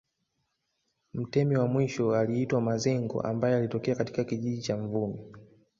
Mtemi wa mwisho aliitwa Mazengo ambaye alitokea katika kijiji cha Mvumi